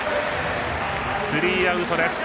スリーアウトです。